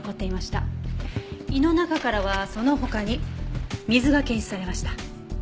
胃の中からはその他に水が検出されました。